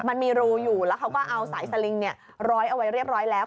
มันมีรูอยู่แล้วเขาก็เอาสายสลิงร้อยเอาไว้เรียบร้อยแล้ว